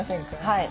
はい。